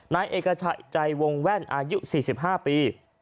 นายเอกชะใจวงแว่นอายุ๔๕ปี